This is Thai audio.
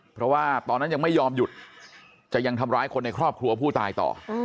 เพราะว่าตอนนั้นยังไม่ยอมหยุดจะยังทำร้ายคนในครอบครัวผู้ตายต่อ